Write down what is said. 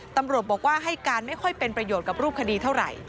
ตำรวจบอกว่าให้การไม่ค่อยเป็นประโยชน์กับรูปคดีเท่าไหร่